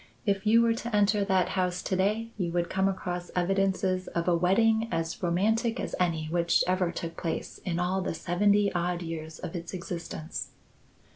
If you were to enter that house to day you would come across evidences of a wedding as romantic as any which ever took place in all the seventy odd years of its existence.